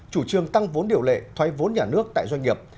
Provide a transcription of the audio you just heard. chủ trương tăng vốn điều lệ thoái vốn nhà nước tại doanh nghiệp